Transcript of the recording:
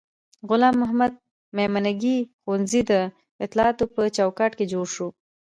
غلام محمد میمنګي ښوونځی د اطلاعاتو په چوکاټ کې جوړ شو.